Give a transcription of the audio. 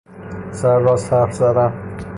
سرراست حرف زدن